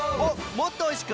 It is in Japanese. もっとおいしく！